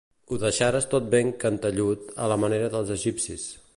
Ho deixares tot ben cantellut a la manera dels egipcis.